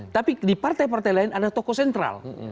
tapi di partai partai lain ada tokoh sentral